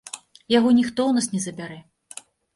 Яго ніхто ў нас не забярэ.